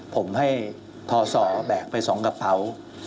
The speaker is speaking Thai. ผมให้ทอสอแบกไปสองกระเป๋า